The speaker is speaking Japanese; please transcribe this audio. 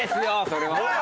それは。